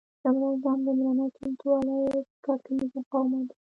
لومړی ګام لومړني چمتووالي او ټاکنیز مقاومت دی.